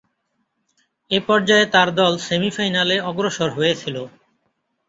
এ পর্যায়ে তার দল সেমি-ফাইনালে অগ্রসর হয়েছিল।